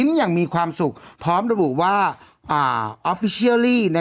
ไม่มีความสวยอ่ะ